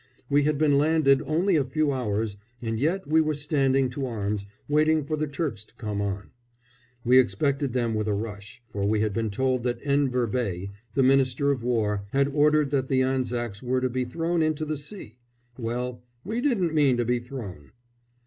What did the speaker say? We had been landed only a few hours, and yet we were standing to arms, waiting for the Turks to come on. We expected them with a rush, for we had been told that Enver Bey, the Minister of War, had ordered that the Anzacs were to be thrown into the sea. Well, we didn't mean to be thrown.